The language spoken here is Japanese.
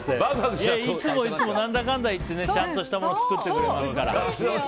いつも、何だかんだ言ってちゃんとしたもの作ってくれますから。